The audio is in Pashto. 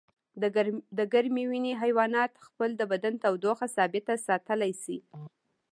د ګرمې وینې حیوانات خپل د بدن تودوخه ثابته ساتلی شي